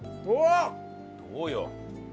どうよ？